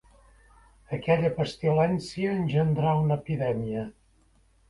Aquella pestilència engendrà una epidèmia.